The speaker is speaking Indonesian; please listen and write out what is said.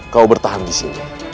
kau bertahan disini